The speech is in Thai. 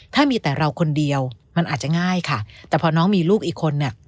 ถ้ามีแต่เราคนเดียวมันอาจจะง่ายค่ะแต่พอน้องมีลูกอีกคนเนี่ย